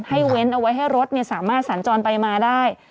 เว้นเอาไว้ให้รถสามารถสัญจรไปมาได้